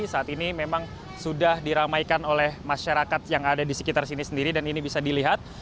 saat ini memang sudah diramaikan oleh masyarakat yang ada di sekitar sini sendiri dan ini bisa dilihat